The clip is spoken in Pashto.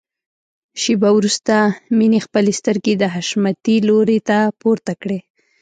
شېبه وروسته مينې خپلې سترګې د حشمتي لوري ته پورته کړې.